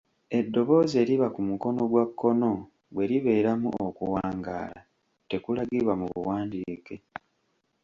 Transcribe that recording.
Eddoboozi eriba ku mukono gwa kkono bwe libeeramu okuwangaala tekulagibwa mu buwandiike.